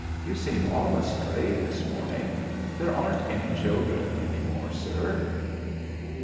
You seem all astray this morning. There aren't any children any more, sir."